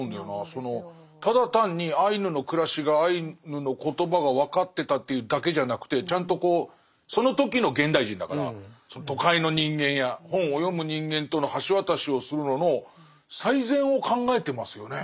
そのただ単にアイヌの暮らしがアイヌの言葉が分かってたというだけじゃなくてちゃんとこうその時の現代人だから都会の人間や本を読む人間との橋渡しをするのの最善を考えてますよね。